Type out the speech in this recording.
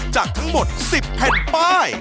จากทั้งหมด๑๐แผ่นป้าย